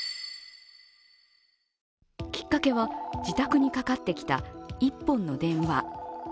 きっかけは自宅にかかってきた一本の電話。